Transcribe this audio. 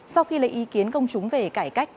sau khi lấy ý kiến công chúng về cải cách